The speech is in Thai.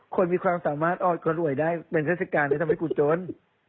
คนมีความสามารถออดก็รวยได้เป็นเทศกาลที่ทำให้กูจน